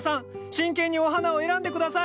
真剣にお花を選んでください！